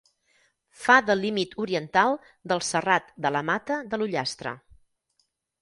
Fa de límit oriental del Serrat de la Mata de l'Ullastre.